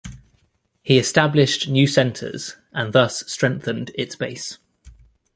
He established new centres and thus strengthened its base.